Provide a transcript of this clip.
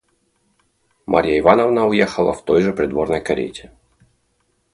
Марья Ивановна уехала в той же придворной карете.